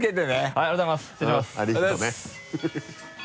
ありがとうございます。